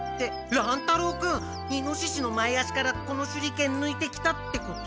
乱太郎君イノシシの前足からこの手裏剣ぬいてきたってこと？